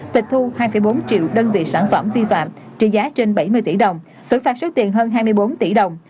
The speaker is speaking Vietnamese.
tịch thu hai bốn triệu đơn vị sản phẩm vi phạm trị giá trên bảy mươi tỷ đồng xử phạt số tiền hơn hai mươi bốn tỷ đồng